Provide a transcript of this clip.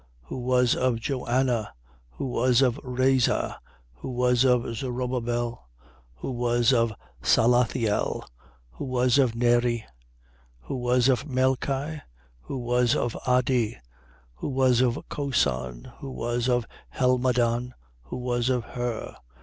Who was of Joanna, who was of Reza, who was of Zorobabel, who was of Salathiel, who was of Neri, 3:28. Who was of Melchi, who was of Addi, who was of Cosan, who was of Helmadan, who was of Her, 3:29.